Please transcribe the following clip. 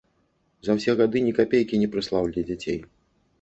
За ўсе гады ні капейкі не прыслаў для дзяцей.